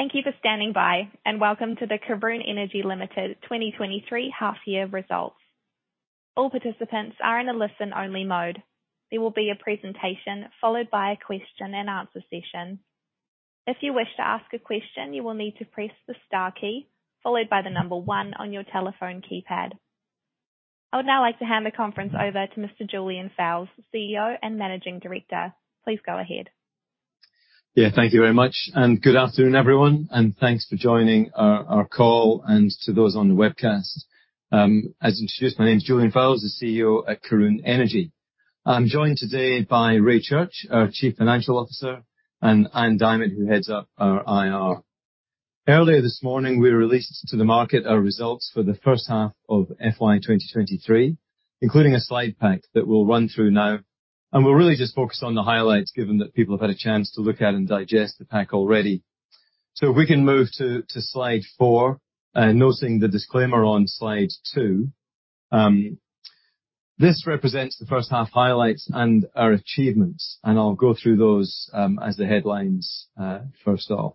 Thank you for standing by, and welcome to the Karoon Energy Ltd 2023 half year results. All participants are in a listen-only mode. There will be a presentation followed by a question and answer session. If you wish to ask a question, you will need to press the star key followed by the number one on your telephone keypad. I would now like to hand the conference over to Mr. Julian Fowles, CEO and Managing Director. Please go ahead. Yeah. Thank you very much. Good afternoon, everyone, and thanks for joining our call and to those on the webcast. As introduced, my name is Julian Fowles, the CEO at Karoon Energy. I'm joined today by Ray Church, our Chief Financial Officer, and Ann Diamant, who heads up our IR. Earlier this morning, we released to the market our results for the first half of FY 2023, including a slide pack that we'll run through now. We'll really just focus on the highlights, given that people have had a chance to look at and digest the pack already. If we can move to slide four, noting the disclaimer on slide two. This represents the first half highlights and our achievements. I'll go through those as the headlines first off.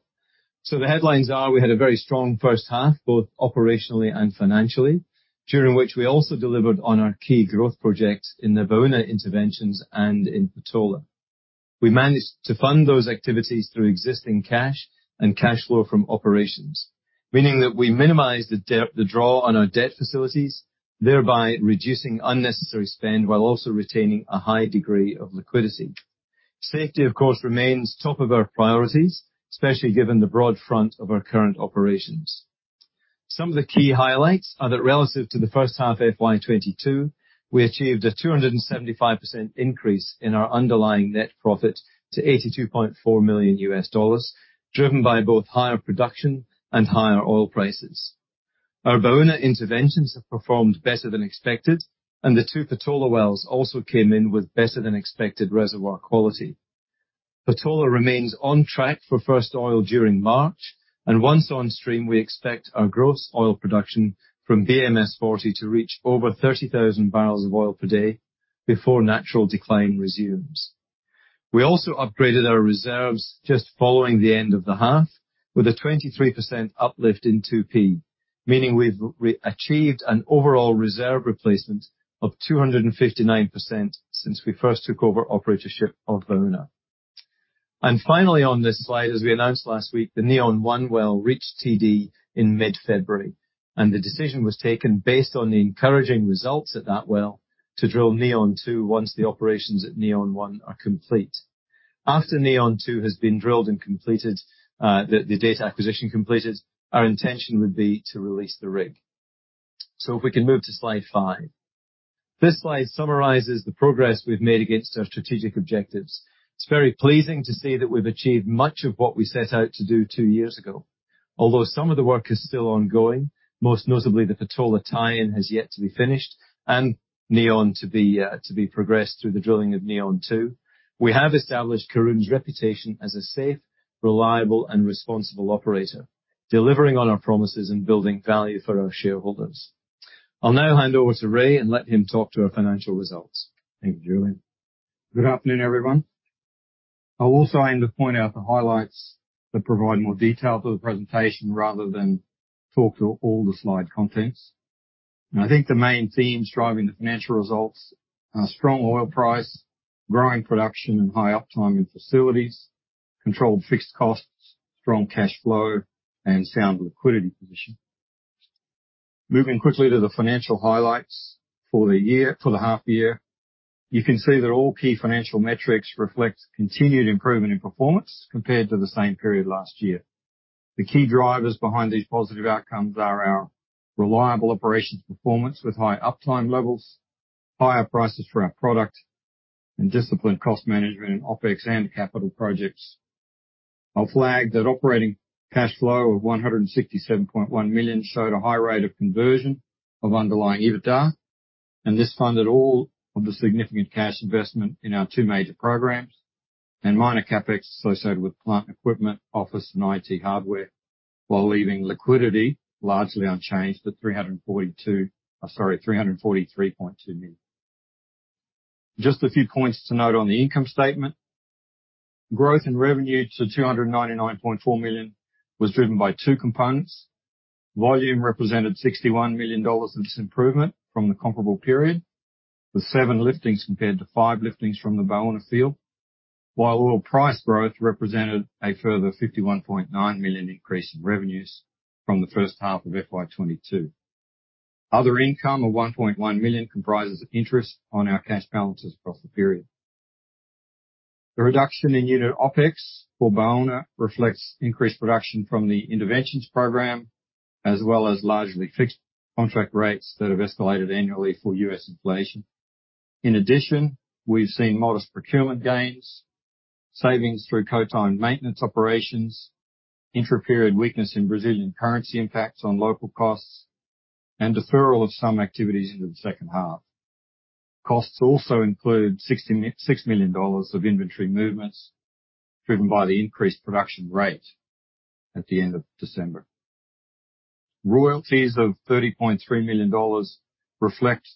The headlines are: We had a very strong first half, both operationally and financially, during which we also delivered on our key growth projects in the Baúna interventions and in Patola. We managed to fund those activities through existing cash and cash flow from operations, meaning that we minimized the debt, the draw on our debt facilities, thereby reducing unnecessary spend while also retaining a high degree of liquidity. Safety, of course, remains top of our priorities, especially given the broad front of our current operations. Some of the key highlights are that relative to the first half FY 2022, we achieved a 275% increase in our underlying net profit to $82.4 million, driven by both higher production and higher oil prices. Our Baúna interventions have performed better than expected, the 2 Patola wells also came in with better than expected reservoir quality. Patola remains on track for first oil during March, once on stream, we expect our gross oil production from BMS-40 to reach over 30,000 barrels of oil per day before natural decline resumes. We also upgraded our reserves just following the end of the half with a 23% uplift in 2P, meaning we've re-achieved an overall reserve replacement of 259% since we first took over operatorship of Baúna. Finally, on this slide, as we announced last week, the Neon-1 well reached TD in mid-February, and the decision was taken based on the encouraging results at that well to drill Neon-2 once the operations at Neon-1 are complete. After Neon-2 has been drilled and completed, the data acquisition completed, our intention would be to release the rig. If we can move to slide five. This slide summarizes the progress we've made against our strategic objectives. It's very pleasing to see that we've achieved much of what we set out to do two years ago. Although some of the work is still ongoing, most notably the Patola tie-in has yet to be finished and Neon to be progressed through the drilling of Neon-2. We have established Karoon's reputation as a safe, reliable, and responsible operator, delivering on our promises and building value for our shareholders. I'll now hand over to Ray and let him talk to our financial results. Thank you, Julian. Good afternoon, everyone. I'll also aim to point out the highlights that provide more detail to the presentation rather than talk through all the slide contents. I think the main themes driving the financial results are strong oil price, growing production and high uptime in facilities, controlled fixed costs, strong cash flow, and sound liquidity position. Moving quickly to the financial highlights for the year, for the half year. You can see that all key financial metrics reflect continued improvement in performance compared to the same period last year. The key drivers behind these positive outcomes are our reliable operations performance with high uptime levels, higher prices for our product, and disciplined cost management in OpEx and capital projects. I'll flag that operating cash flow of $167.1 million showed a high rate of conversion of underlying EBITDA, and this funded all of the significant cash investment in our two major programs and minor CapEx associated with plant equipment, office and IT hardware, while leaving liquidity largely unchanged at, I'm sorry, $343.2 million. Just a few points to note on the income statement. Growth in revenue to $299.4 million was driven by two components. Volume represented $61 million of this improvement from the comparable period, with 7 liftings compared to 5 liftings from the Baúna field. While oil price growth represented a further $51.9 million increase in revenues from the first half of FY 2022. Other income of $1.1 million comprises interest on our cash balances across the period. The reduction in unit OpEx for Baúna reflects increased production from the interventions program, as well as largely fixed contract rates that have escalated annually for U.S. inflation. In addition, we've seen modest procurement gains, savings through co-timed maintenance operations, intra-period weakness in Brazilian currency impacts on local costs, and deferral of some activities into the second half. Costs also include $6 million of inventory movements, driven by the increased production rate at the end of December. Royalties of $30.3 million reflect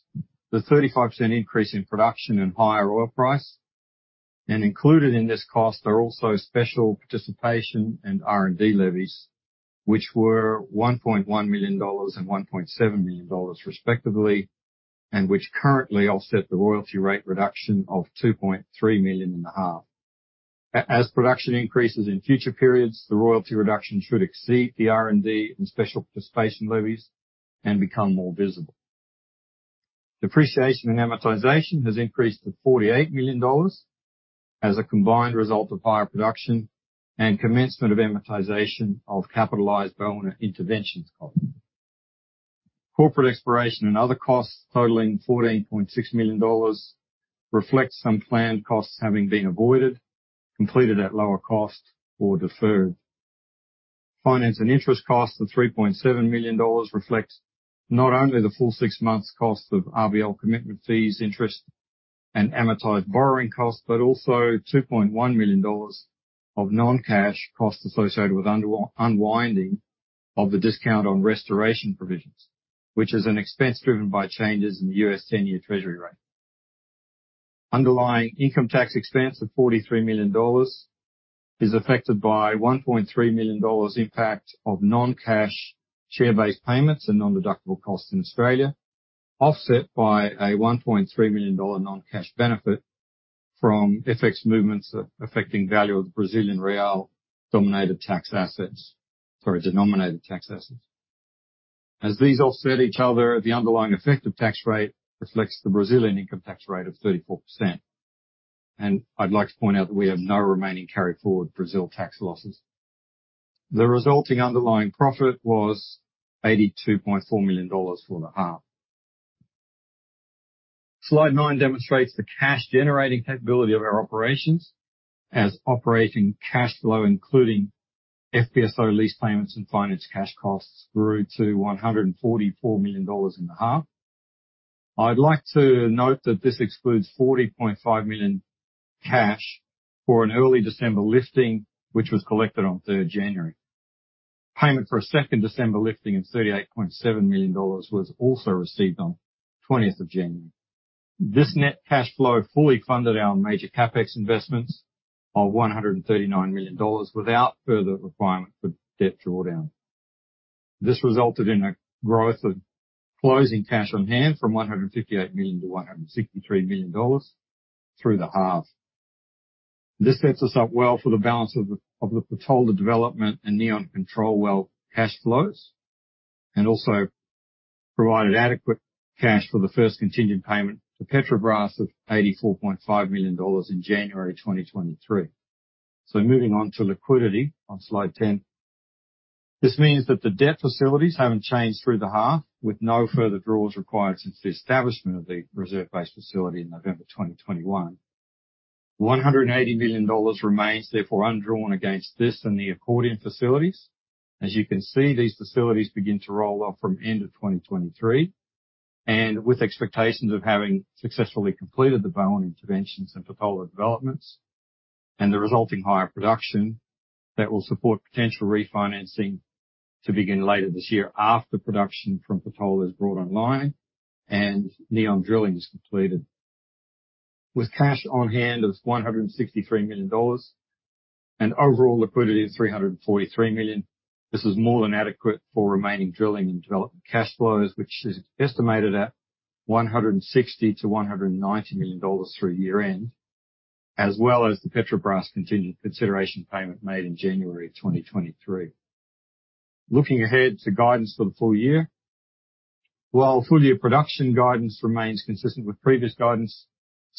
the 35% increase in production and higher oil price. Included in this cost are also special participation and R&D levies, which were $1.1 million and $1.7 million respectively, and which currently offset the royalty rate reduction of $2.3 million in the half. As production increases in future periods, the royalty reduction should exceed the R&D and special participation levies and become more visible. Depreciation and amortization has increased to $48 million as a combined result of higher production and commencement of amortization of capitalized well interventions costs. Corporate exploration and other costs totaling $14.6 million reflects some planned costs having been avoided, completed at lower cost or deferred. Finance and interest costs of $3.7 million reflects not only the full six months cost of RBL commitment fees, interest, and amortized borrowing costs, but also $2.1 million of non-cash costs associated with unwinding of the discount on restoration provisions, which is an expense driven by changes in the U.S. 10-year Treasury rate. Underlying income tax expense of $43 million is affected by $1.3 million impact of non-cash share-based payments and non-deductible costs in Australia, offset by a $1.3 million non-cash benefit from FX movements affecting value of Brazilian real denominated tax assets. As these offset each other, the underlying effective tax rate reflects the Brazilian income tax rate of 34%. I'd like to point out that we have no remaining carry forward Brazil tax losses. The resulting underlying profit was $82.4 million for the half. Slide nine demonstrates the cash generating capability of our operations as operating cash flow, including FPSO lease payments and finance cash costs, grew to $144 million in the half. I'd like to note that this excludes $40.5 million cash for an early December lifting, which was collected on third January. Payment for a second December lifting of $38.7 million was also received on 20th of January. This net cash flow fully funded our major CapEx investments of $139 million without further requirement for debt drawdown. This resulted in a growth of closing cash on hand from $158 million to $163 million through the half. This sets us up well for the balance of the Patola development and Neon control well cash flows, and also provided adequate cash for the first contingent payment to Petrobras of $84.5 million in January 2023. Moving on to liquidity on slide 10. This means that the debt facilities haven't changed through the half, with no further draws required since the establishment of the reserve-based facility in November 2021. $180 million remains therefore undrawn against this and the accordion facilities. As you can see, these facilities begin to roll off from end of 2023, and with expectations of having successfully completed the well interventions and Patola developments and the resulting higher production that will support potential refinancing to begin later this year after production from Patola is brought online and Neon drilling is completed. With cash on hand of $163 million and overall liquidity of $343 million, this is more than adequate for remaining drilling and development cash flows, which is estimated at $160 million-$190 million through year-end, as well as the Petrobras contingent consideration payment made in January 2023. Looking ahead to guidance for the full year. While full year production guidance remains consistent with previous guidance,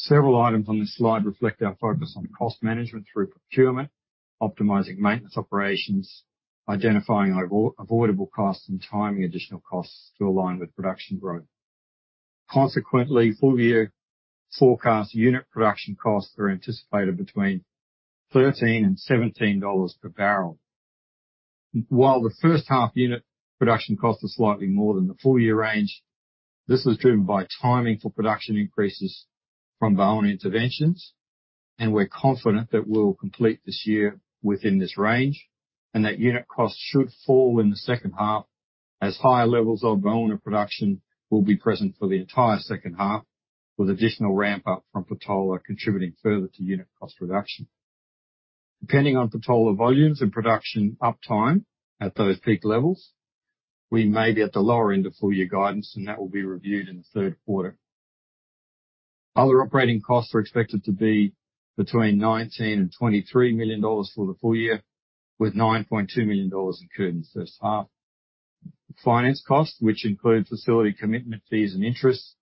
several items on this slide reflect our focus on cost management through procurement, optimizing maintenance operations, identifying avoidable costs, and timing additional costs to align with production growth. Consequently, full year forecast unit production costs are anticipated between $13-$17 per barrel. While the first half unit production cost is slightly more than the full year range, this was driven by timing for production increases from well interventions. We're confident that we'll complete this year within this range and that unit costs should fall in the second half as higher levels of Baúna production will be present for the entire second half, with additional ramp up from Patola contributing further to unit cost reduction. Depending on Patola volumes and production uptime at those peak levels, we may be at the lower end of full year guidance and that will be reviewed in the Q3. Other operating costs are expected to be between $19 million-$23 million for the full year, with $9.2 million incurred in the first half. Finance costs, which include facility commitment fees and interests,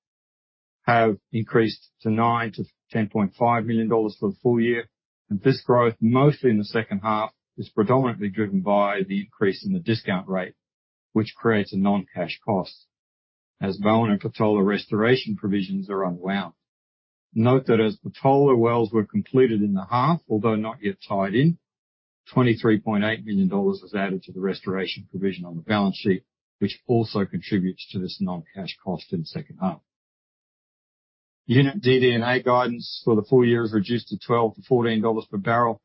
have increased to $9 million-$10.5 million for the full year. This growth, mostly in the second half, is predominantly driven by the increase in the discount rate, which creates a non-cash cost as Baúna and Patola restoration provisions are unwound. Note that as Patola wells were completed in the half, although not yet tied in, $23.8 million was added to the restoration provision on the balance sheet, which also contributes to this non-cash cost in the second half. Unit DD&A guidance for the full year is reduced to $12-$14 per barrel,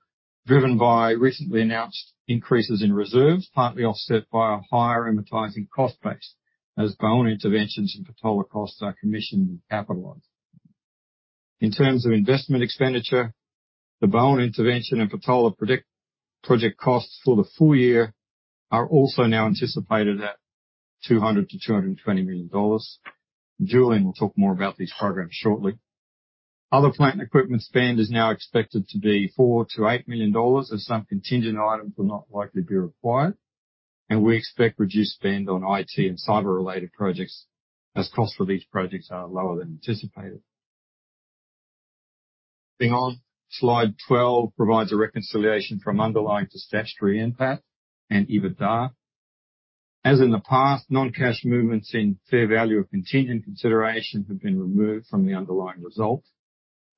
driven by recently announced increases in reserves, partly offset by a higher amortizing cost base as well interventions and Patola costs are commissioned and capitalized. In terms of investment expenditure, the Baúna intervention and Patola predict project costs for the full year are also now anticipated at $200 million-$220 million. Julian will talk more about these programs shortly. Other plant and equipment spend is now expected to be $4 million-$8 million, as some contingent items are not likely to be required. We expect reduced spend on IT and cyber-related projects as costs for these projects are lower than anticipated. Moving on, slide 12 provides a reconciliation from underlying to statutory NPAT and EBITDA. As in the past, non-cash movements in fair value of contingent consideration have been removed from the underlying result,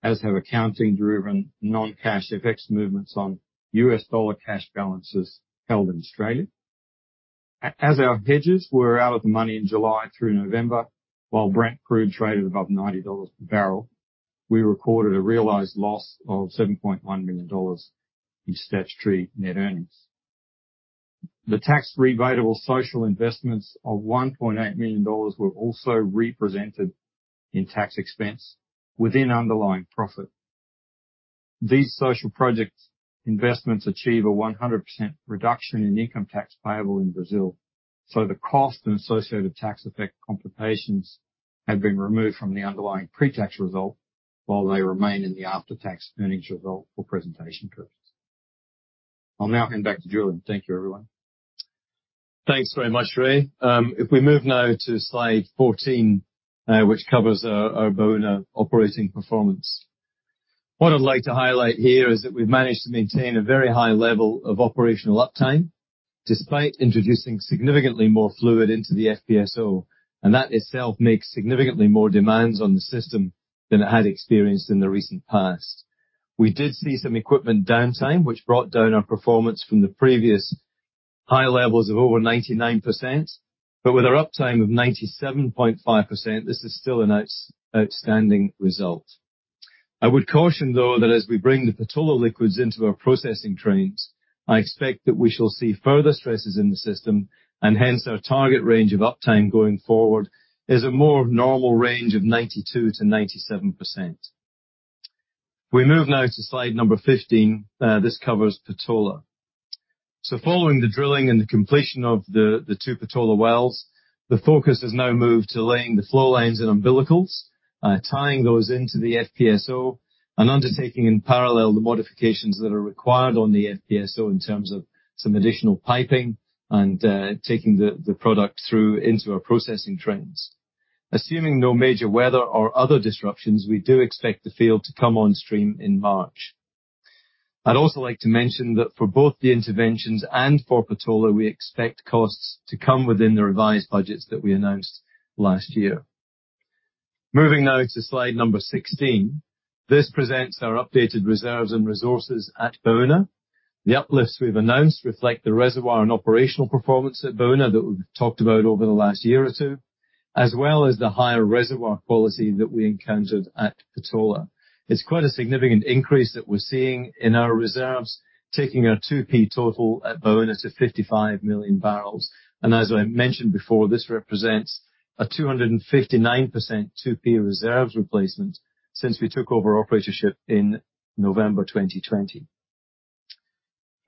as have accounting-driven non-cash FX movements on U.S. dollar cash balances held in Australia. As our hedges were out of the money in July through November, while Brent crude traded above $90 per barrel, we recorded a realized loss of $7.1 million in statutory net earnings. The tax-rebatable social investments of $1.8 million were also represented in tax expense within underlying profit. The cost and associated tax effect computations have been removed from the underlying pre-tax result while they remain in the after-tax earnings result for presentation purposes. I'll now hand back to Julian. Thank you, everyone. Thanks very much, Ray. If we move now to slide 14, which covers our Baúna operating performance. What I'd like to highlight here is that we've managed to maintain a very high level of operational uptime despite introducing significantly more fluid into the FPSO, and that itself makes significantly more demands on the system than it had experienced in the recent past. We did see some equipment downtime which brought down our performance from the previous high levels of over 99%. With our uptime of 97.5%, this is still an outstanding result. I would caution, though, that as we bring the Patola liquids into our processing trains, I expect that we shall see further stresses in the system, and hence our target range of uptime going forward is a more normal range of 92%-97%. We move now to slide number 15. This covers Patola. Following the drilling and the completion of the two Patola wells, the focus has now moved to laying the flow lines and umbilicals, tying those into the FPSO and undertaking in parallel the modifications that are required on the FPSO in terms of some additional piping and taking the product through into our processing trains. Assuming no major weather or other disruptions, we do expect the field to come on stream in March. I'd also like to mention that for both the interventions and for Patola, we expect costs to come within the revised budgets that we announced last year. Moving now to slide number 16. This presents our updated reserves and resources at Baúna. The uplifts we've announced reflect the reservoir and operational performance at Baúna that we've talked about over the last year or two, as well as the higher reservoir quality that we encountered at Patola. It's quite a significant increase that we're seeing in our reserves, taking our 2P total at Baúna to 55 million barrels. As I mentioned before, this represents a 259% 2P reserves replacement since we took over operatorship in November 2020.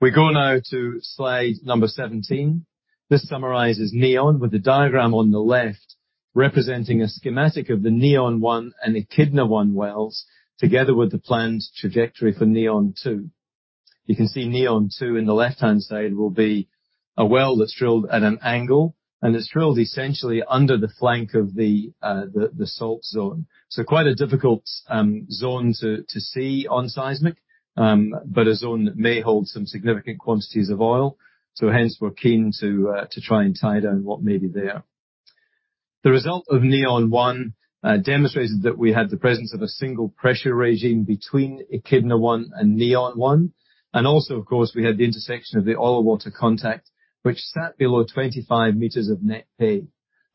We go now to slide number 17. This summarizes Neon with the diagram on the left representing a schematic of the Neon-1 and Echidna-1 wells, together with the planned trajectory for Neon-2. You can see Neon-2 in the left-hand side will be a well that's drilled at an angle, it's drilled essentially under the flank of the salt zone. Quite a difficult zone to see on seismic, but a zone that may hold some significant quantities of oil. Hence we're keen to try and tie down what may be there. The result of Neon-1 demonstrated that we had the presence of a single pressure regime between Echidna-1 and Neon-1. Also, of course, we had the intersection of the oil water contact, which sat below 25 meters of net pay.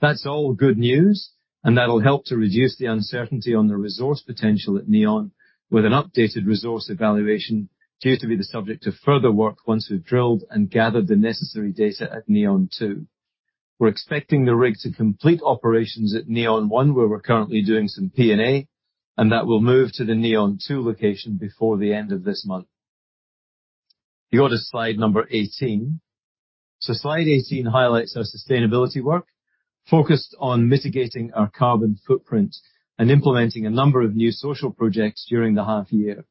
That's all good news, and that'll help to reduce the uncertainty on the resource potential at Neon with an updated resource evaluation due to be the subject of further work once we've drilled and gathered the necessary data at Neon-2. We're expecting the rig to complete operations at Neon-1, where we're currently doing some P&A, and that will move to the Neon-2 location before the end of this month. We go to slide number 18. Slide 18 highlights our sustainability work focused on mitigating our carbon footprint and implementing a number of new social projects during the half year.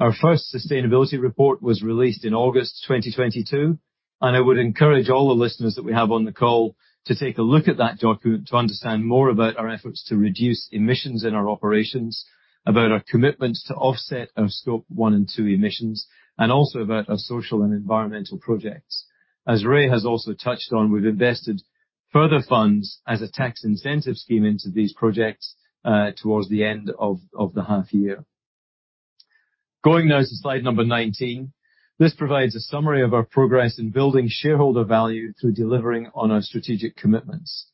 Our first sustainability report was released in August 2022, and I would encourage all the listeners that we have on the call to take a look at that document to understand more about our efforts to reduce emissions in our operations, about our commitment to offset our Scope one and two emissions, and also about our social and environmental projects. As Ray has also touched on, we've invested further funds as a tax incentive scheme into these projects, towards the end of the half year. Going now to slide number 19. This provides a summary of our progress in building shareholder value through delivering on our strategic commitments.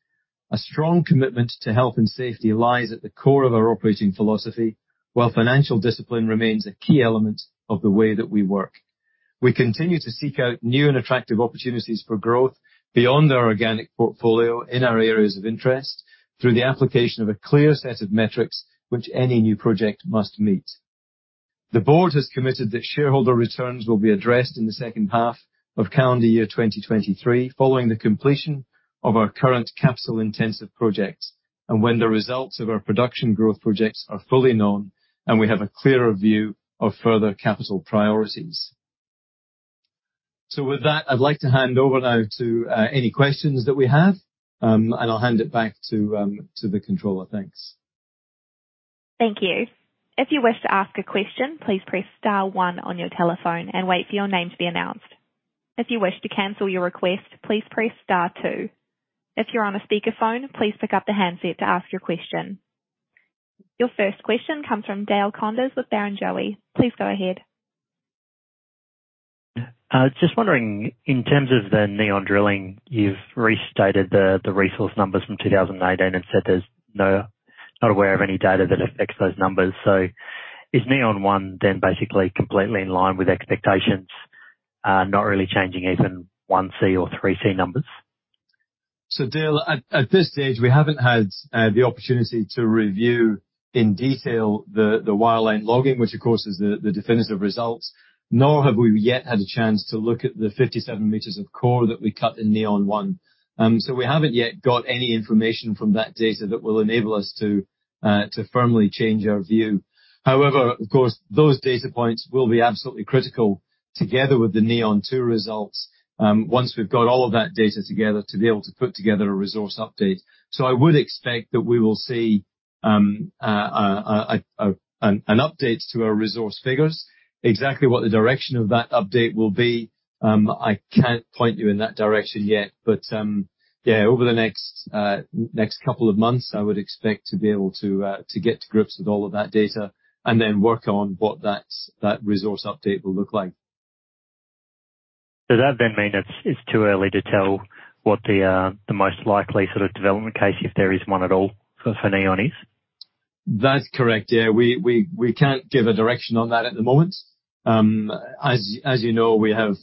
A strong commitment to health and safety lies at the core of our operating philosophy, while financial discipline remains a key element of the way that we work. We continue to seek out new and attractive opportunities for growth beyond our organic portfolio in our areas of interest through the application of a clear set of metrics which any new project must meet. The board has committed that shareholder returns will be addressed in the second half of calendar year 2023, following the completion of our current capital intensive projects and when the results of our production growth projects are fully known and we have a clearer view of further capital priorities. With that, I'd like to hand over now to any questions that we have, and I'll hand it back to the controller. Thanks. Thank you. If you wish to ask a question, please press star one on your telephone and wait for your name to be announced. If you wish to cancel your request, please press star two. If you're on a speakerphone, please pick up the handset to ask your question. Your first question comes from Dale Koenders with Barrenjoey. Please go ahead. Just wondering, in terms of the Neon drilling, you've restated the resource numbers from 2018 and said there's not aware of any data that affects those numbers. Is Neon one then basically completely in line with expectations, not really changing even 1C or 3C numbers? Dale, at this stage, we haven't had the opportunity to review in detail the wireline logging, which of course is the definitive results, nor have we yet had a chance to look at the 57 meters of core that we cut in Neon one. We haven't yet got any information from that data that will enable us to firmly change our view. However, of course, those data points will be absolutely critical together with the Neon two results, once we've got all of that data together, to be able to put together a resource update. I would expect that we will see an update to our resource figures. Exactly what the direction of that update will be, I can't point you in that direction yet. Yeah, over the next couple of months, I would expect to be able to get to grips with all of that data and then work on what that resource update will look like. Does that then mean it's too early to tell what the most likely sort of development case, if there is one at all, for Neon is? That's correct. Yeah. We can't give a direction on that at the moment. As you know, we have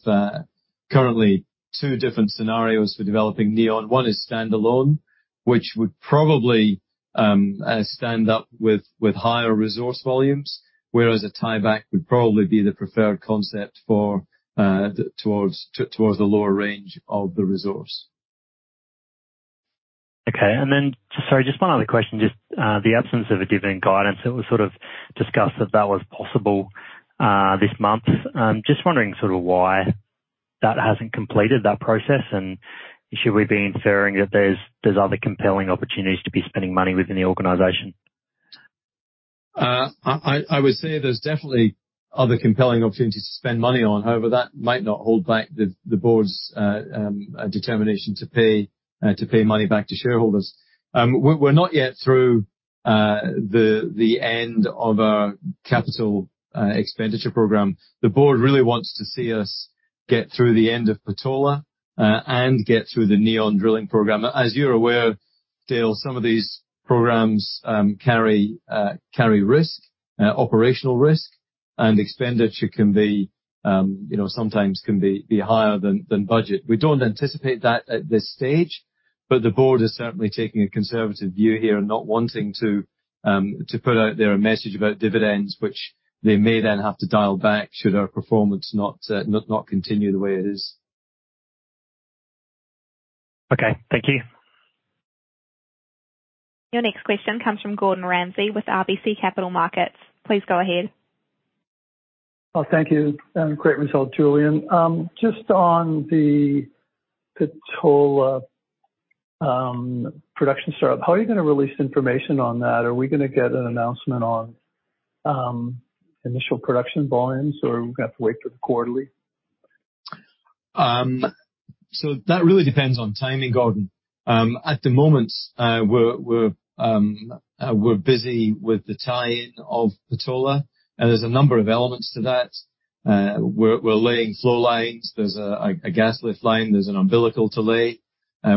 currently two different scenarios for developing Neon. One is standalone, which would probably stand up with higher resource volumes, whereas a tieback would probably be the preferred concept for towards the lower range of the resource. Okay. Sorry, just one other question. Just the absence of a dividend guidance that was sort of discussed if that was possible this month. Just wondering sort of why that hasn't completed that process, and should we be inferring that there's other compelling opportunities to be spending money within the organization? I would say there's definitely other compelling opportunities to spend money on. That might not hold back the board's determination to pay money back to shareholders. We're not yet through the end of our capital expenditure program. The board really wants to see us get through the end of Patola and get through the Neon drilling program. As you're aware, Dale, some of these programs carry risk, operational risk and expenditure can be, you know, sometimes higher than budget. We don't anticipate that at this stage. The board is certainly taking a conservative view here and not wanting to put out their message about dividends, which they may then have to dial back should our performance not continue the way it is. Okay. Thank you. Your next question comes from Gordon Ramsay with RBC Capital Markets. Please go ahead. Oh, thank you. Great result, Julian. Just on the Patola production setup, how are you gonna release information on that? Are we gonna get an announcement on initial production volumes or we've got to wait for the quarterly? That really depends on timing, Gordon. At the moment, we're busy with the tie-in of Patola, there's a number of elements to that. We're laying flow lines. There's a gas lift line. There's an umbilical to lay.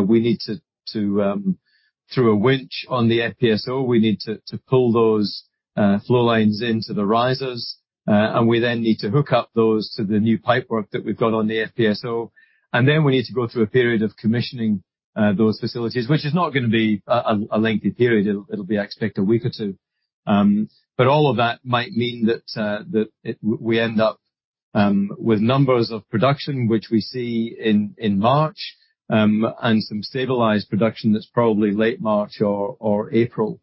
We need to, through a winch on the FPSO, we need to pull those flow lines into the risers. We then need to hook up those to the new pipework that we've got on the FPSO. We need to go through a period of commissioning those facilities, which is not gonna be a lengthy period. It'll be, I expect, a week or two. All of that might mean that we end up with numbers of production which we see in March, and some stabilized production that's probably late March or April.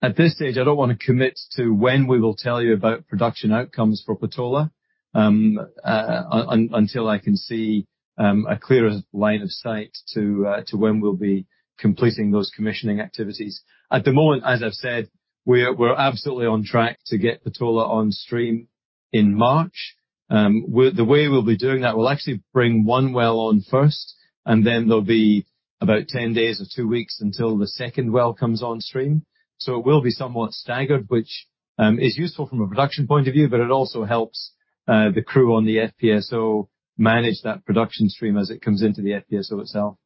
At this stage, I don't wanna commit to when we will tell you about production outcomes for Patola, until I can see a clearer line of sight to when we'll be completing those commissioning activities. At the moment, as I've said, we're absolutely on track to get Patola on stream in March. The way we'll be doing that, we'll actually bring 1 well on first, and then there'll be about 10 days or two weeks until the second well comes on stream. It will be somewhat staggered, which is useful from a production point of view, but it also helps the crew on the FPSO manage that production stream as it comes into the FPSO itself.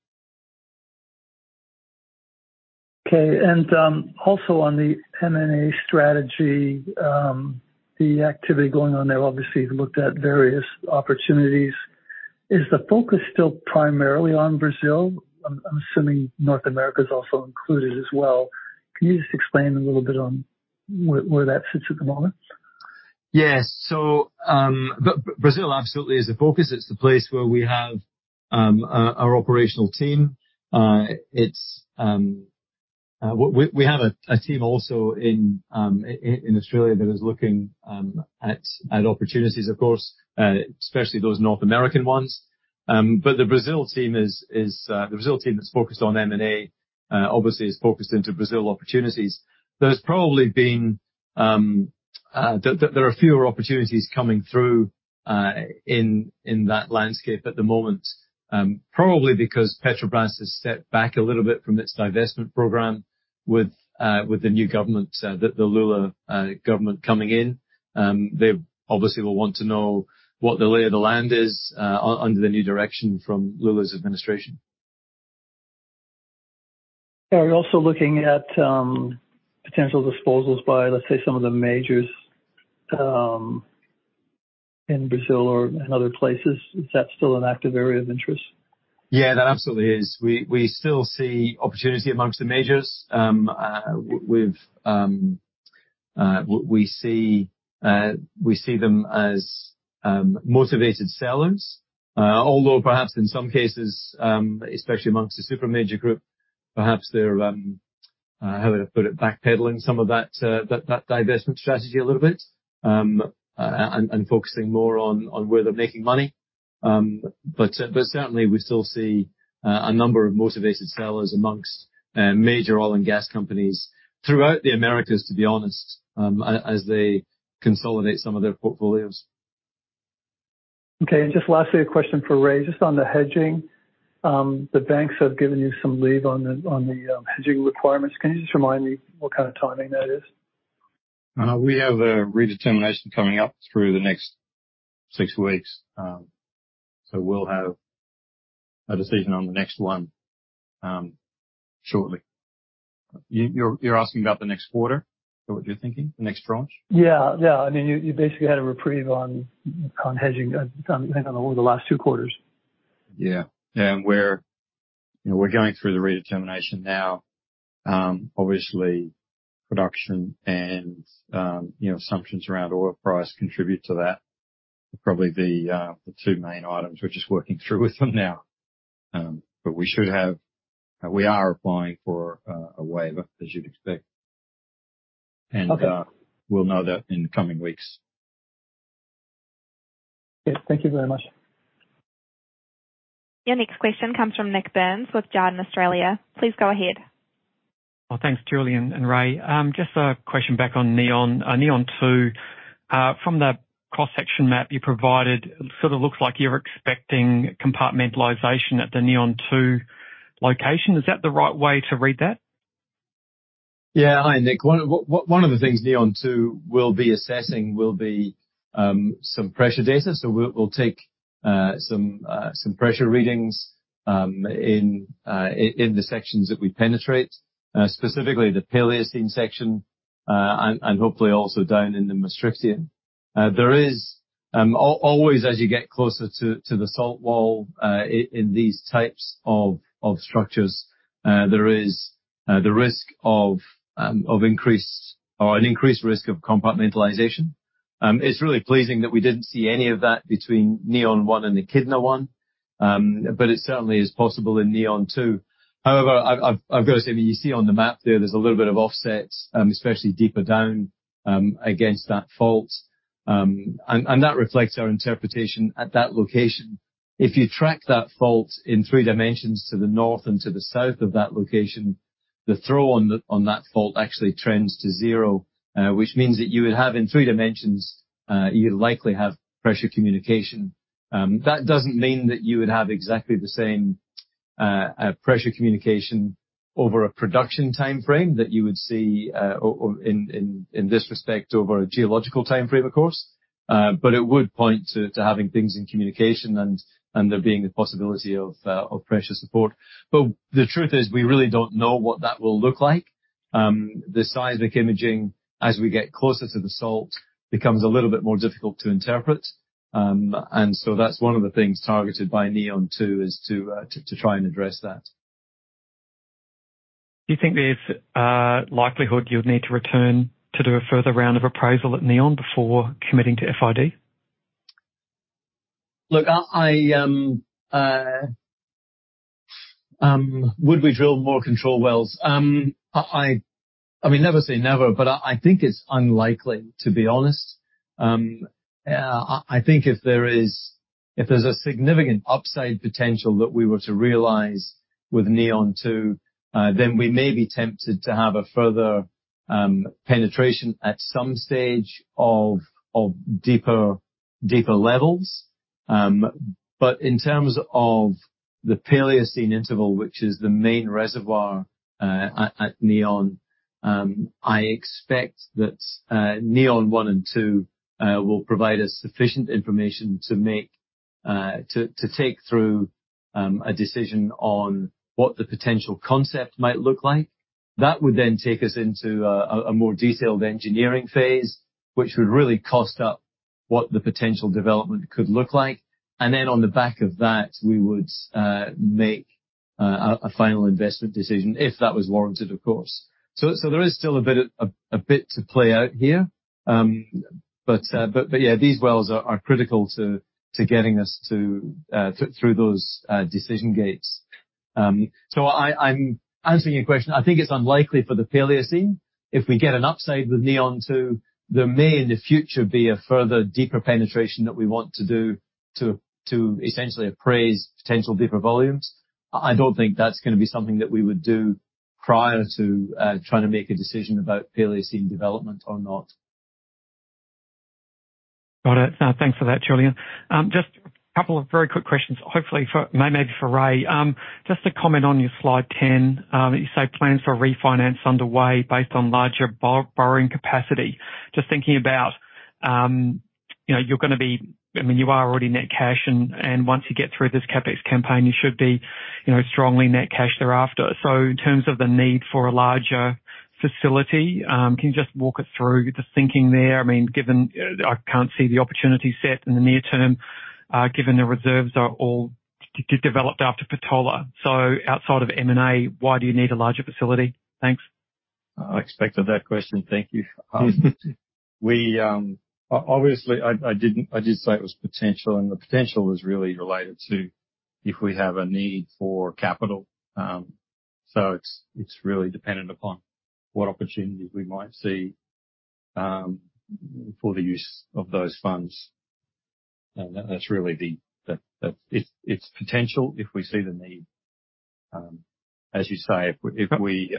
Okay. Also on the M&A strategy, the activity going on there, obviously, you've looked at various opportunities. Is the focus still primarily on Brazil? I'm assuming North America is also included as well. Can you just explain a little bit on where that sits at the moment? Yes. Brazil absolutely is the focus. It's the place where we have our operational team. We have a team also in Australia that is looking at opportunities, of course, especially those North American ones. The Brazil team is the Brazil team that's focused on M&A, obviously is focused into Brazil opportunities. There's probably been there are fewer opportunities coming through in that landscape at the moment, probably because Petrobras has set back a little bit from its divestment program with the new government, the Lula government coming in. They obviously will want to know what the lay of the land is under the new direction from Lula's administration. Are you also looking at potential disposals by, let's say, some of the majors, in Brazil or in other places? Is that still an active area of interest? Yeah, that absolutely is. We still see opportunity amongst the majors. We've we see them as motivated sellers. Although perhaps in some cases, especially amongst the super major group, perhaps they're how to put it, backpedaling some of that divestment strategy a little bit and focusing more on where they're making money. Certainly we still see a number of motivated sellers amongst major oil and gas companies throughout the Americas, to be honest, as they consolidate some of their portfolios. Okay. Just lastly, a question for Ray, just on the hedging. The banks have given you some leave on the, on the, hedging requirements. Can you just remind me what kind of timing that is? We have a redetermination coming up through the next six weeks. We'll have a decision on the next one shortly. You're asking about the next quarter? Is that what you're thinking? The next tranche? Yeah. I mean, you basically had a reprieve on hedging, you know, over the last two quarters. Yeah. We're, you know, we're going through the redetermination now. Obviously, production and, you know, assumptions around oil price contribute to that. Probably the two main items we're just working through with them now. We should have. We are applying for a waiver, as you'd expect. Okay. We'll know that in the coming weeks. Okay. Thank you very much. Your next question comes from Nik Burns with Jarden Australia. Please go ahead. Thanks, Julian and Ray. Just a question back on Neon. On Neon 2, from the cross-section map you provided, it sort of looks like you're expecting compartmentalization at the Neon 2 location. Is that the right way to read that? Hi, Nik. One of the things Neon-2 will be assessing will be some pressure data. We'll take some pressure readings in the sections that we penetrate, specifically the Paleocene section, and hopefully also down in the Maastrichtian. There is always, as you get closer to the salt wall, in these types of structures, there is the risk of increased or an increased risk of compartmentalization. It's really pleasing that we didn't see any of that between Neon-1 and Echidna-1, it certainly is possible in Neon-2. I've got to say, I mean, you see on the map there's a little bit of offset, especially deeper down, against that fault, and that reflects our interpretation at that location. If you track that fault in three dimensions to the north and to the south of that location, the throw on that fault actually trends to zero, which means that you would have in three dimensions, you'd likely have pressure communication. That doesn't mean that you would have exactly the same pressure communication over a production timeframe that you would see in this respect over a geological timeframe, of course. It would point to having things in communication and there being the possibility of pressure support. The truth is, we really don't know what that will look like. The seismic imaging, as we get closer to the salt, becomes a little bit more difficult to interpret. That's one of the things targeted by Neon-2 is to try and address that. Do you think there's a likelihood you'd need to return to do a further round of appraisal at Neon before committing to FID? Look, I, would we drill more control wells? I mean, never say never, but I think it's unlikely, to be honest. I think if there's a significant upside potential that we were to realize with Neon 2, then we may be tempted to have a further penetration at some stage of deeper levels. In terms of the Paleocene Interval, which is the main reservoir at Neon, I expect that Neon 1 and 2 will provide us sufficient information to make to take through a decision on what the potential concept might look like. That would then take us into a more detailed engineering phase, which would really cost up what the potential development could look like. Then on the back of that, we would make a final investment decision, if that was warranted, of course. There is still a bit of, a bit to play out here. Yeah, these wells are critical to getting us through those decision gates. I'm answering your question. I think it's unlikely for the Paleocene. If we get an upside with Neon two, there may in the future be a further deeper penetration that we want to do to essentially appraise potential deeper volumes. I don't think that's gonna be something that we would do prior to trying to make a decision about Paleocene development or not. Got it. Thanks for that, Julian. Just a couple of very quick questions. Maybe for Ray. Just to comment on your slide 10. You say plans for a refinance underway based on larger borrowing capacity. Just thinking about, you know, you're gonna be... I mean, you are already net cash, and once you get through this CapEx campaign, you should be, you know, strongly net cash thereafter. In terms of the need for a larger facility, can you just walk us through the thinking there? I mean, given I can't see the opportunity set in the near term, given the reserves are all developed after Patola. Outside of M&A, why do you need a larger facility? Thanks. I expected that question. Thank you. We obviously I did say it was potential, and the potential was really related to if we have a need for capital. It's really dependent upon what opportunities we might see for the use of those funds. It's potential if we see the need. As you say, if we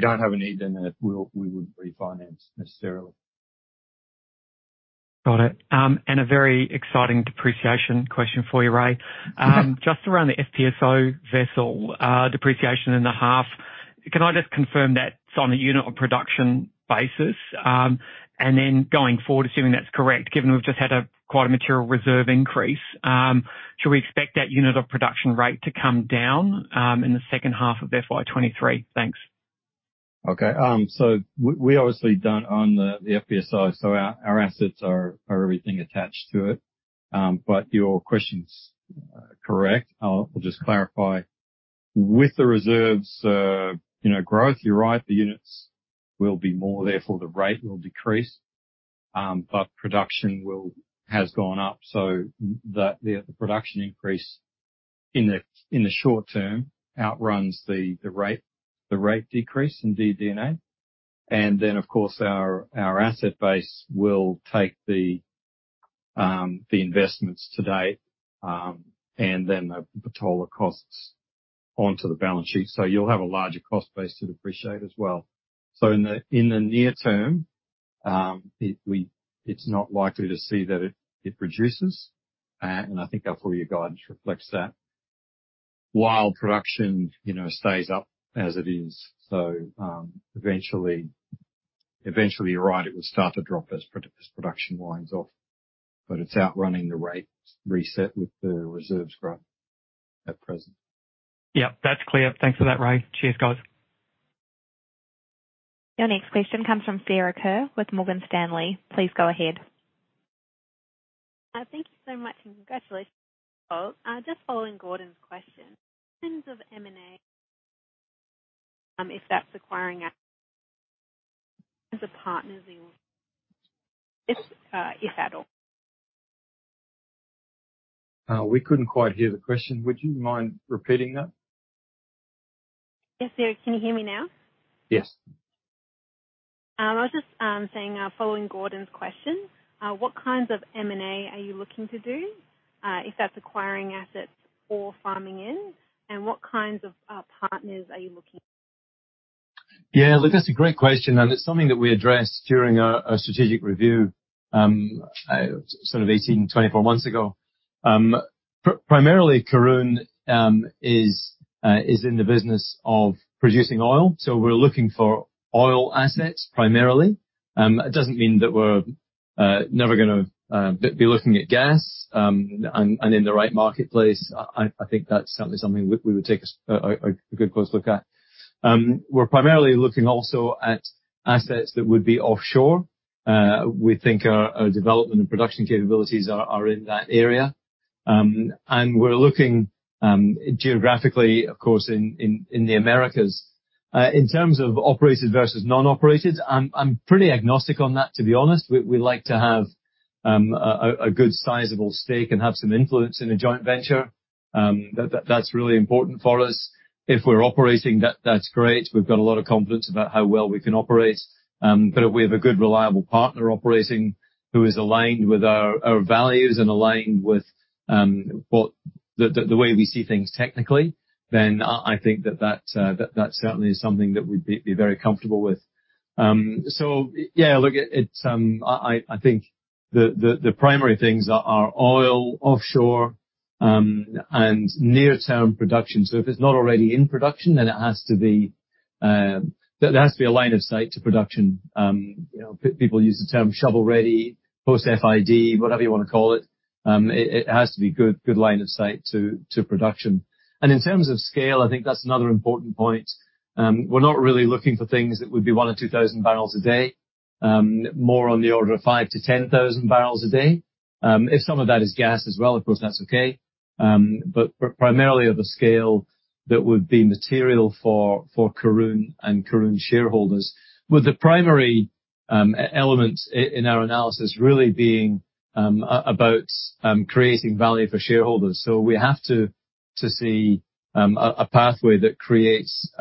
don't have a need, then we wouldn't refinance necessarily. Got it. A very exciting depreciation question for you, Ray. Just around the FPSO vessel, depreciation in the half. Can I just confirm that's on a unit of production basis? Then going forward, assuming that's correct, given we've just had a quite a material reserve increase, should we expect that unit of production rate to come down, in the second half of FY 2023? Thanks. Okay. We obviously don't own the FPSO, our assets are everything attached to it. Your question's correct. I'll just clarify. With the reserves, you know, growth, you're right, the units will be more, therefore the rate will decrease. Production has gone up, the production increase in the short term outruns the rate decrease in DD&A. Of course, our asset base will take the investments to date, and then the Patola costs onto the balance sheet. You'll have a larger cost base to depreciate as well. In the near term, it's not likely to see that it reduces, and I think our full year guidance reflects that. While production, you know, stays up as it is. Eventually, you're right, it will start to drop as production winds off, but it's outrunning the rate reset with the reserves growth at present. Yep, that's clear. Thanks for that, Ray. Cheers, guys. Your next question comes from Sarah Kerr with Morgan Stanley. Please go ahead. Thank you so much. Congratulations. Just following Gordon's question. In terms of M&A, if that's acquiring as a partner in, if at all. We couldn't quite hear the question. Would you mind repeating that? Yes, sir. Can you hear me now? Yes. I was just saying, following Gordon's question, what kinds of M&A are you looking to do, if that's acquiring assets or farming in, and what kinds of partners are you looking at? Look, that's a great question. It's something that we addressed during our strategic review, sort of 18, 24 months ago. Primarily, Karoon is in the business of producing oil. We're looking for oil assets primarily. It doesn't mean that we're never gonna be looking at gas in the right marketplace. I think that's certainly something we would take a good close look at. We're primarily looking also at assets that would be offshore. We think our development and production capabilities are in that area. We're looking geographically, of course, in the Americas. In terms of operated versus non-operated, I'm pretty agnostic on that, to be honest. We like to have a good sizable stake and have some influence in a joint venture. That's really important for us. If we're operating that's great. We've got a lot of confidence about how well we can operate. If we have a good reliable partner operating who is aligned with our values and aligned with what the way we see things technically, then I think that that certainly is something that we'd be very comfortable with. Yeah, look, it's, I think the primary things are oil, offshore, and near-term production. If it's not already in production, then it has to be there has to be a line of sight to production. You know, people use the term shovel-ready, post FID, whatever you wanna call it. It has to be good line of sight to production. In terms of scale, I think that's another important point. We're not really looking for things that would be 1,000 or 2,000 barrels a day. More on the order of 5,000-10,000 barrels a day. If some of that is gas as well, of course that's okay. Primarily of a scale that would be material for Karoon and Karoon shareholders, with the primary elements in our analysis really being about creating value for shareholders. We have to see a pathway that creates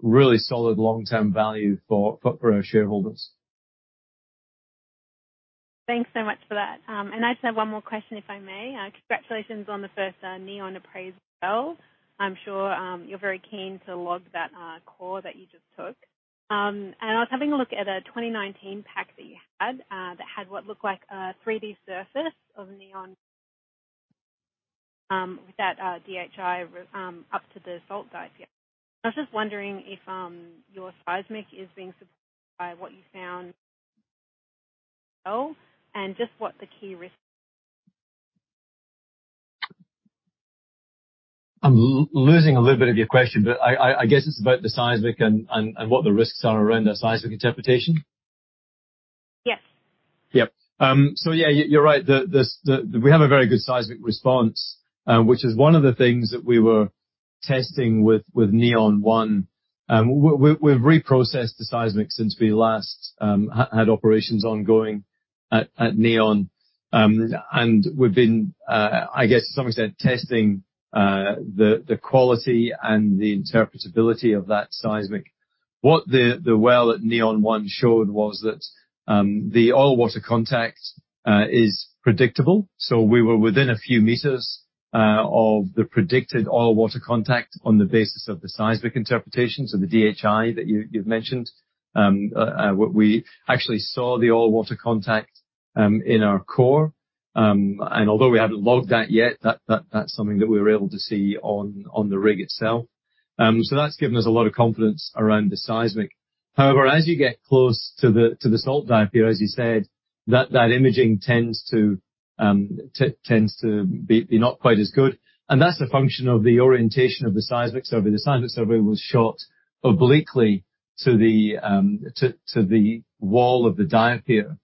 really solid long-term value for our shareholders. Thanks so much for that. I just have one more question, if I may. Congratulations on the first Neon appraisal. I'm sure you're very keen to log that core that you just took. I was having a look at a 2019 pack that you had that had what looked like a 3-D surface of Neon with that DHI up to the salt diapir. I was just wondering if your seismic is being supported by what you found and just what the key risks. I'm losing a little bit of your question, but I guess it's about the seismic and what the risks are around the seismic interpretation. Yes. Yep. Yeah, you're right. The, we have a very good seismic response, which is one of the things that we were testing with Neon one. We've reprocessed the seismic since we last had operations ongoing at Neon. We've been, I guess to some extent, testing the quality and the interpretability of that seismic. What the well at Neon one showed was that the oil water contact is predictable. We were within a few meters of the predicted oil water contact on the basis of the seismic interpretation. The DHI that you've mentioned. We actually saw the oil water contact in our core. Although we haven't logged that yet, that's something that we were able to see on the rig itself. That's given us a lot of confidence around the seismic. However, as you get close to the salt diapir, as you said, that imaging tends to be not quite as good. That's a function of the orientation of the seismic survey. The seismic survey was shot obliquely to the wall of the diapir,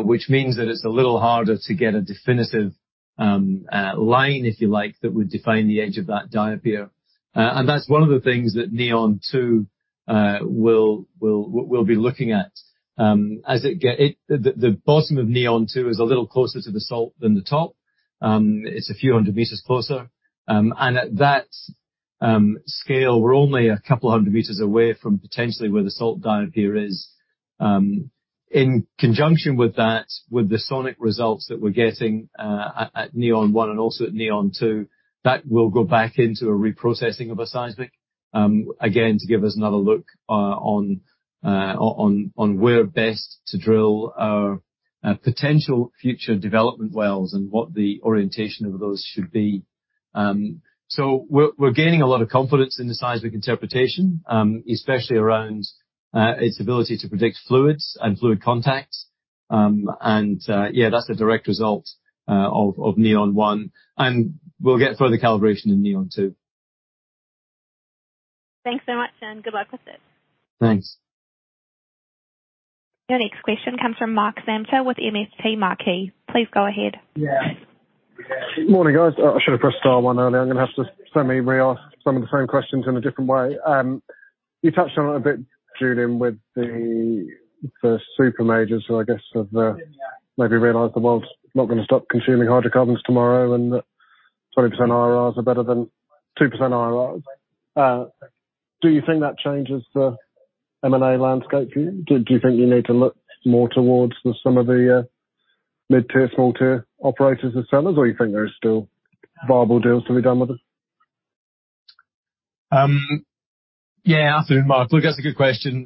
which means that it's a little harder to get a definitive line, if you like, that would define the edge of that diapir. That's one of the things that Neon 2 will be looking at. The bottom of Neon 2 is a little closer to the salt than the top. It's a few hundred meters closer. At that scale, we're only a couple hundred meters away from potentially where the salt diapir is. In conjunction with that, with the sonic results that we're getting at Neon 1 and also at Neon 2, that will go back into a reprocessing of a seismic again, to give us another look on where best to drill our potential future development wells and what the orientation of those should be. So we're gaining a lot of confidence in the seismic interpretation, especially around its ability to predict fluids and fluid contact. That's a direct result of Neon 1. We'll get further calibration in Neon 2. Thanks so much, and good luck with it. Thanks. Your next question comes from Mark Samter with MST Marquee. Please go ahead. Yeah. Morning, guys. I should have pressed star one earlier. I'm gonna have to somehow re-ask some of the same questions in a different way. You touched on it a bit, Julian, with the super majors who I guess have maybe realized the world's not gonna stop consuming hydrocarbons tomorrow and that 20% IRRs are better than 2% IRRs. Do you think that changes the M&A landscape? Do you think you need to look more towards the some of the mid-tier, small tier operators as sellers? You think there is still viable deals to be done with them? Yeah. Absolutely, Mark. Look, that's a good question.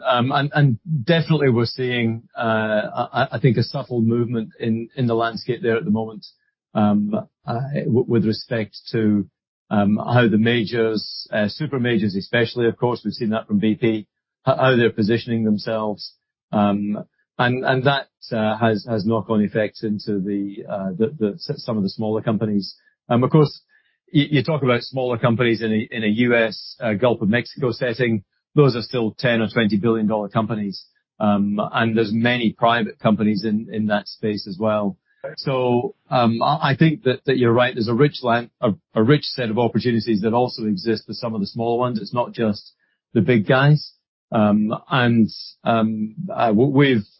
Definitely we're seeing, I think a subtle movement in the landscape there at the moment, with respect to how the majors, super majors especially, of course, we've seen that from BP, how they're positioning themselves. That has knock on effects into some of the smaller companies. Of course, you talk about smaller companies in a U.S. Gulf of Mexico setting. Those are still 10 or 20 billion dollar companies. There's many private companies in that space as well. I think that you're right. There's a rich land, a rich set of opportunities that also exist for some of the smaller ones. It's not just the big guys. We've,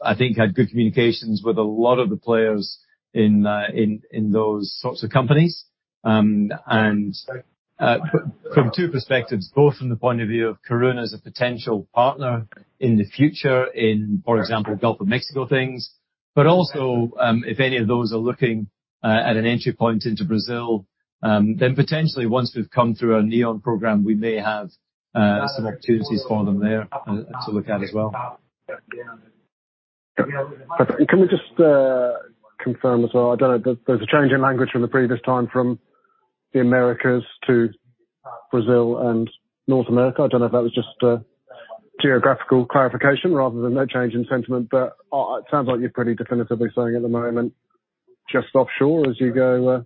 I think, had good communications with a lot of the players in those sorts of companies. From 2 perspectives, both from the point of view of Karoon as a potential partner in the future in, for example, Gulf of Mexico things, but also, if any of those are looking at an entry point into Brazil, then potentially, once we've come through our Neon program, we may have some opportunities for them there to look at as well. Can we just confirm as well? I don't know if there's a change in language from the previous time from the Americas to Brazil and North America. I don't know if that was just a geographical clarification rather than a change in sentiment, but it sounds like you're pretty definitively saying at the moment, just offshore as you go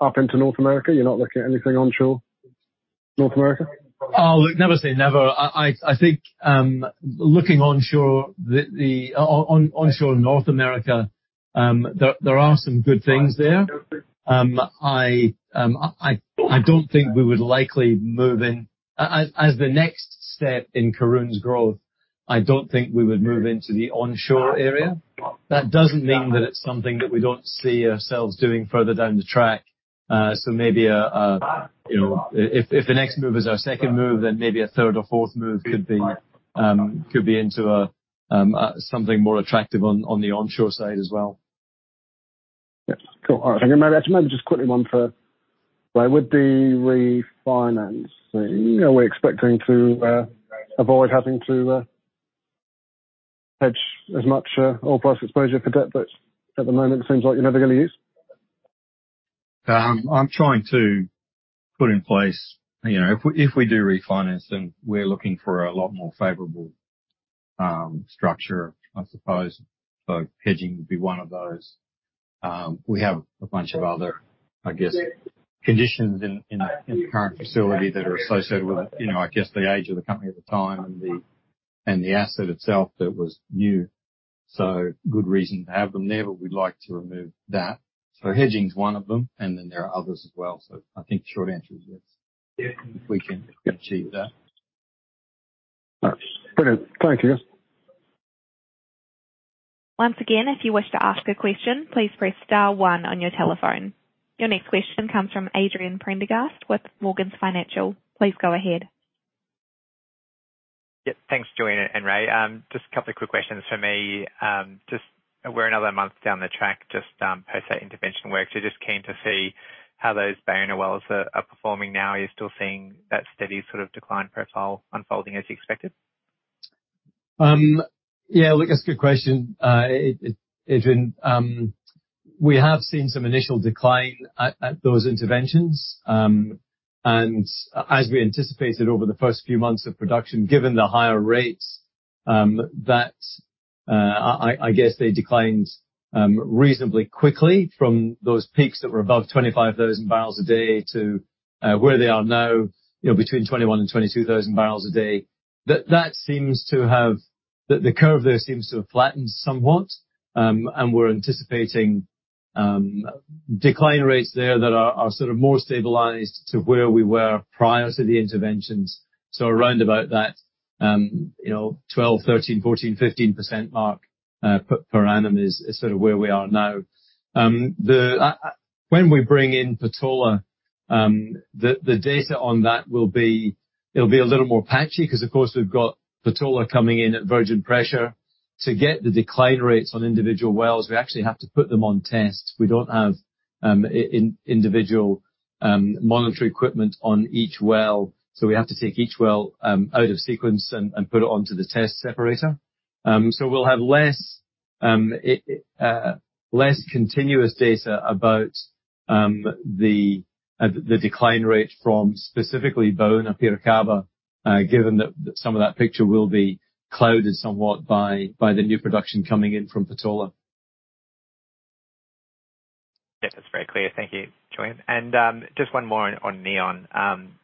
up into North America, you're not looking at anything onshore North America. Oh, look, never say never. I think, looking onshore North America, there are some good things there. I don't think we would likely move in. As the next step in Karoon's growth, I don't think we would move into the onshore area. That doesn't mean that it's something that we don't see ourselves doing further down the track. Maybe a, you know, If the next move is our second move, then maybe a third or fourth move could be into a something more attractive on the onshore side as well. Yes. Cool. All right. Maybe, actually, maybe just quickly one for Ray. With the refinancing, are we expecting to avoid having to hedge as much oil price exposure for debt that at the moment it seems like you're never gonna use? I'm trying to put in place. You know, if we, if we do refinance then we're looking for a lot more favorable structure, I suppose. Hedging would be one of those. We have a bunch of other, I guess, conditions in the current facility that are associated with, you know, I guess, the age of the company at the time and the asset itself that was new. Good reason to have them there, but we'd like to remove that. Hedging is one of them, and then there are others as well. I think short answer is yes. Yeah. If we can achieve that. All right. Brilliant. Thank you. Once again, if you wish to ask a question, please press star one on your telephone. Your next question comes from Adrian Prendergast with Morgans Financial. Please go ahead. Thanks, Julian and Ray. Just a couple of quick questions from me. Just we're another month down the track, just post that intervention work, so just keen to see how those Baúna wells are performing now. Are you still seeing that steady sort of decline profile unfolding as you expected? Yeah. Look, that's a good question, Adrian. We have seen some initial decline at those interventions. As we anticipated over the first few months of production, given the higher rates, I guess they declined reasonably quickly from those peaks that were above 25,000 barrels a day to where they are now, you know, between 21,000 and 22,000 barrels a day. The curve there seems to have flattened somewhat. We're anticipating decline rates there that are sort of more stabilized to where we were prior to the interventions. Around about that, you know, 12%, 13%, 14%, 15% mark per annum is sort of where we are now. When we bring in Patola, the data on that will be... It'll be a little more patchy because, of course, we've got Patola coming in at virgin pressure. To get the decline rates on individual wells, we actually have to put them on tests. We don't have individual monitoring equipment on each well, so we have to take each well out of sequence and put it onto the test separator. We'll have less continuous data about the decline rate from specifically Baúna and Piracaba, given that some of that picture will be clouded somewhat by the new production coming in from Patola. Yeah, that's very clear. Thank you, Julian. Just 1 more on Neon.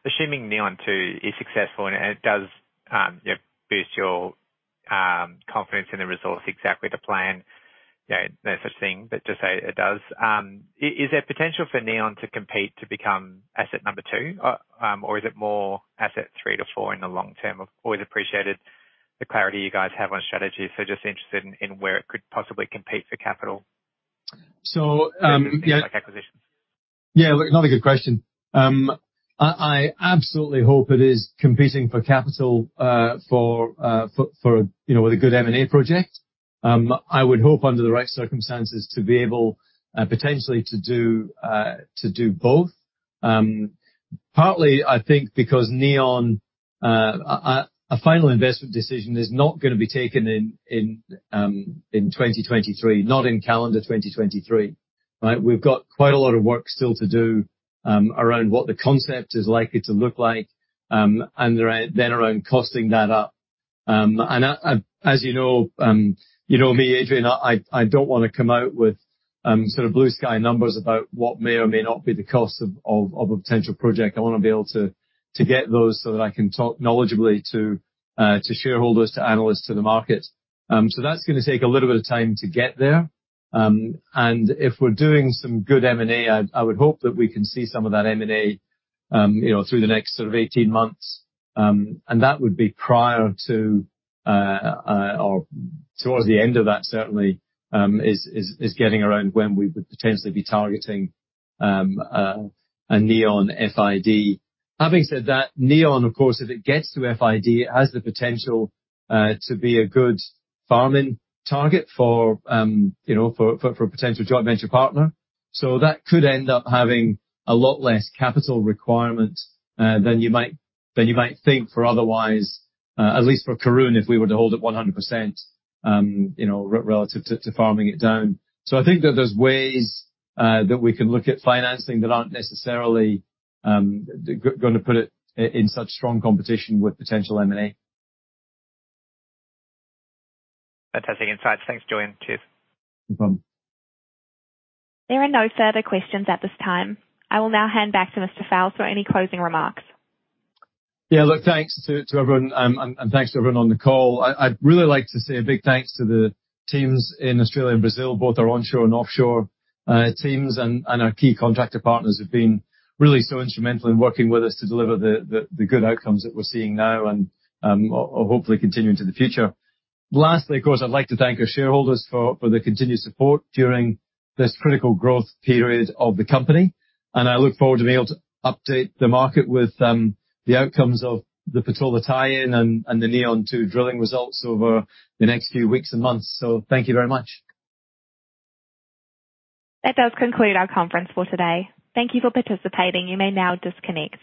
Assuming Neon 2 is successful and it does, yeah, boost your confidence in the resource exactly to plan. You know, no such thing, just say it does. Is there potential for Neon to compete to become asset number two? Is it more asset 3-4 in the long term? Always appreciated the clarity you guys have on strategy, just interested in where it could possibly compete for capital. So, um- Things like acquisitions. Another good question. I absolutely hope it is competing for capital for, you know, with a good M&A project. I would hope under the right circumstances to be able potentially to do both. Partly, I think, because Neon, a final investment decision is not gonna be taken in in 2023. Not in calendar 2023, right? We've got quite a lot of work still to do around what the concept is likely to look like and around, then around costing that up. As you know, you know me, Adrian, I don't wanna come out with sort of blue sky numbers about what may or may not be the cost of a potential project. I wanna be able to get those so that I can talk knowledgeably to shareholders, to analysts, to the market. That's gonna take a little bit of time to get there. If we're doing some good M&A, I would hope that we can see some of that M&A, you know, through the next sort of 18 months. That would be prior to or towards the end of that certainly, is getting around when we would potentially be targeting a Neon FID. Having said that, Neon, of course, if it gets to FID, it has the potential to be a good farming target for, you know, for a potential joint venture partner. That could end up having a lot less capital requirement than you might, than you might think for otherwise, at least for Karoon, if we were to hold it 100%, you know, relative to farming it down. I think that there's ways that we can look at financing that aren't necessarily gonna put it in such strong competition with potential M&A. Fantastic insights. Thanks, Julian. Cheers. No problem. There are no further questions at this time. I will now hand back to Mr. Fowles for any closing remarks. Look, thanks to everyone and thanks to everyone on the call. I'd really like to say a big thanks to the teams in Australia and Brazil, both our onshore and offshore teams, and our key contractor partners have been really so instrumental in working with us to deliver the good outcomes that we're seeing now and hopefully continue into the future. Lastly, of course, I'd like to thank our shareholders for their continued support during this critical growth period of the company, and I look forward to being able to update the market with the outcomes of the Patola tie-in and the Neon 2 drilling results over the next few weeks and months. Thank you very much. That does conclude our conference for today. Thank you for participating. You may now disconnect.